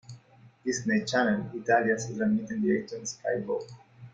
Disney Channel Italia se transmite en directo en Sky Go.